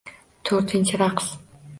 To‘rtinchi raqs.